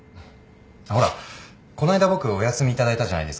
ほらこの間僕お休み頂いたじゃないですか。